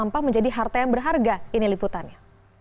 sampah menjadi harta yang berharga ini liputannya